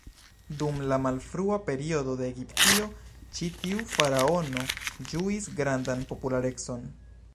Dum la malfrua periodo de Egiptio, ĉi tiu faraono ĝuis grandan popularecon.